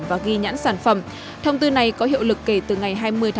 và ghi nhãn sản phẩm thông tư này có hiệu lực kể từ ngày hai mươi một hai nghìn hai mươi